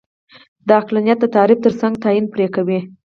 د عقلانیت د تعریف ترڅنګ تعین پرې کوي.